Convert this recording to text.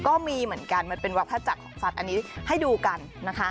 ก็มีเหมือนกันมันเป็นวัฒนาจักรของสัตว์อันนี้ให้ดูกันนะคะ